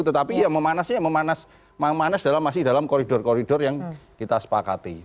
tetapi ya memanasnya memanas memanas dalam masih dalam koridor koridor yang kita sepakati